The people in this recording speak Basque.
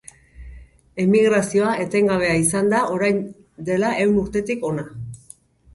Emigrazioa etengabea izan da orain dela ehun urtetik hona.